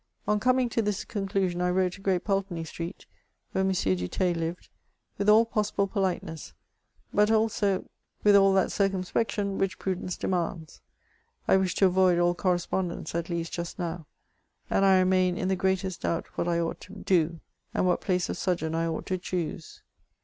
On coming to this conclusion, I wrote to Great Pulteney Street (where M. du Theil Hved) with all possible politeness, but also with all that circumspection which prudence demands. I wish to avoid all correspondence, at least just now, and 1 remain in the greatest doubt what I ought to do, and what place of sojourn 1 ought to choose.